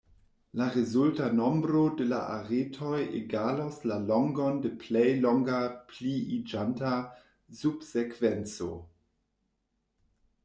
La rezulta nombro de la aretoj egalos la longon de plej longa pliiĝanta subsekvenco.